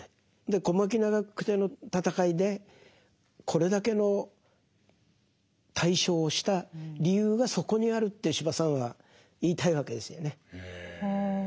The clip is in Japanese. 小牧・長久手の戦いでこれだけの大勝をした理由がそこにあるって司馬さんは言いたいわけですよね。